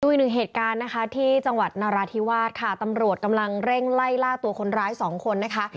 อีกหนึ่งเหตุการณ์นะคะที่จังหวัดนราธิวาสค่ะตำรวจกำลังเร่งไล่ล่าตัวคนร้ายสองคนนะคะ